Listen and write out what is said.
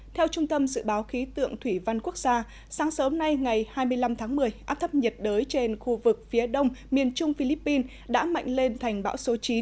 theo trung tâm dự báo khí tượng thủy văn quốc gia sáng sớm nay ngày hai mươi năm tháng một mươi áp thấp nhiệt đới trên khu vực phía đông miền trung philippines đã mạnh lên thành bão số chín